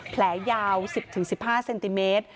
แผลยาว๑๐๑๕เซนติเมตร